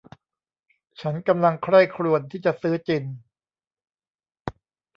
ฉันกำลังใคร่ครวญที่จะซื้อจิน